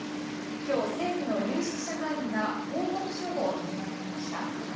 今日、政府の有識者会議が報告書を取りまとめました。